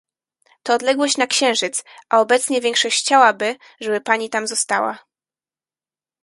To odległość na Księżyc, a obecnie większość chciałaby, żeby pani tam została